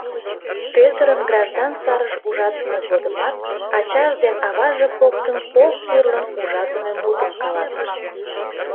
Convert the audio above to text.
Пӧтырым граждан сарыш ужатыме годымат ачаж ден аваже коктын кок тӱрлын ужатыме мутым каласышт: